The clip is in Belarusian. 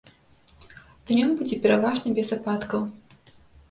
Днём будзе пераважна без ападкаў.